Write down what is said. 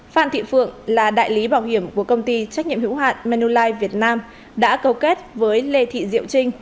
phan thị phượng là đại lý bảo hiểm của công ty trách nhiệm hữu hạn manulife việt nam đã cầu kết với lê thị diệu trinh